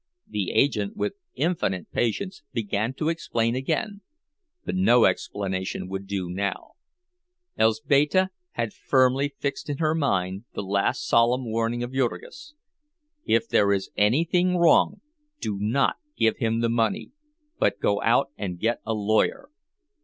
The agent, with infinite patience, began to explain again; but no explanation would do now. Elzbieta had firmly fixed in her mind the last solemn warning of Jurgis: "If there is anything wrong, do not give him the money, but go out and get a lawyer."